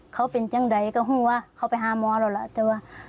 เขาเป็นอย่างไรก็หูว่าเขาไปหาหมอแล้วล่ะแต่ว่า